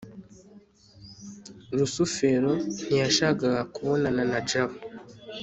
rusufero ntiyashakaga kubonana na jabo